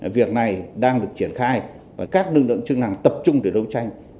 việc này đang được triển khai các lực lượng chức năng tập trung để đấu tranh